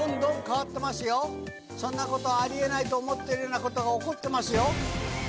そんなことはあり得ないと思ってるようなことが起こってますよ。